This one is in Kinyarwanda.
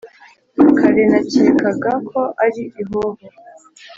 Kare nakekaga ko ari ihoho